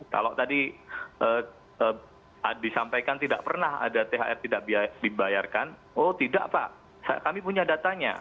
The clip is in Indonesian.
kalau tadi disampaikan tidak pernah ada thr tidak dibayarkan oh tidak pak kami punya datanya